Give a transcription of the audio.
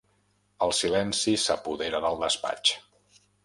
El silenci s'apodera del despatx.